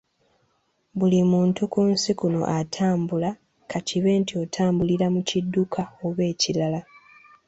Buli muntu ku nsi kuno atambula, ka kibe nti otambulira mu kidduka, oba ekirala.